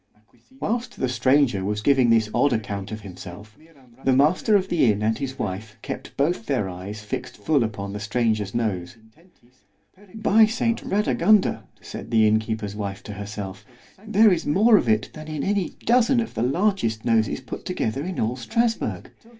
Whilst the stranger was giving this odd account of himself, the master of the inn and his wife kept both their eyes fixed full upon the stranger's nose——By saint Radagunda, said the inn keeper's wife to herself, there is more of it than in any dozen of the largest noses put together in all _Strasburg!